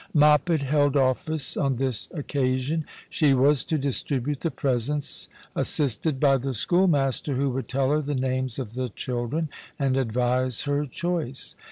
Moppet held office on this occasion. She was to dis tribute the presents, assisted by the schoolmaster, who would tell her the names of the children and advise her choice.